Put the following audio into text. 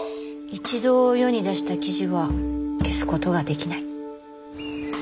一度世に出した記事は消すことができない。